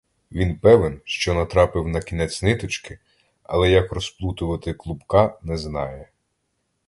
Він певен, що натрапив на кінець ниточки, але як розплутувати клубка, не знає.